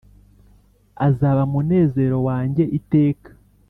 azaba munezero wanjye iteka